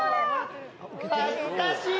恥ずかしい！